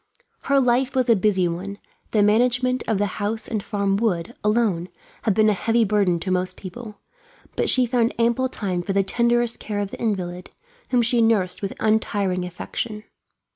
Her life was a busy one. The management of the house and farm would, alone, have been a heavy burden to most people; but she found ample time for the tenderest care of the invalid, whom she nursed with untiring affection.